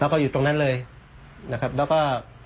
แล้วก็อยู่ตรงนั้นเลยนะครับแล้วก็